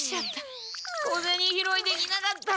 小ゼニ拾いできなかった！